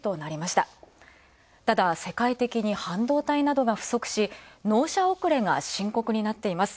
ただ、世界的に半導体などが不足し納車遅れが深刻になっています。